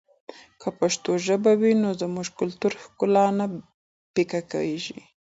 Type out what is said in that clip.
که پښتو ژبه وي نو زموږ کلتوري ښکلا نه پیکه کېږي.